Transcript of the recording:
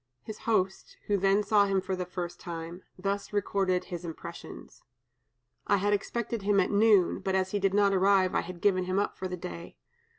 His host, who then saw him for the first time, thus recorded his impressions: "I had expected him at noon, but as he did not arrive, I had given him up for the day.